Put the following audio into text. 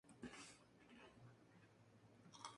Sus areolas tienen lana blanca.